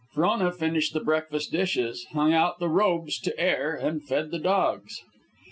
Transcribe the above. Frona finished the breakfast dishes, hung out the robes to air, and fed the dogs.